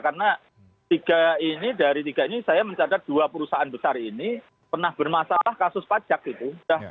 karena dari tiga ini saya mencatat dua perusahaan besar ini pernah bermasalah kasus pajak itu